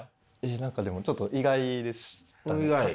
何かでもちょっと意外でしたね。